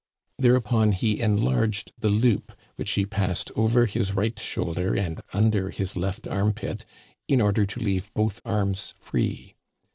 Thereupon he enlarged the loop, which he passed over his right shoulder and under his left armpit, in or der to leave both arms free.